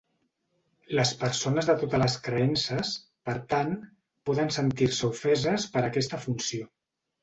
Les persones de totes les creences, per tant, poden sentir-se ofeses per aquesta funció.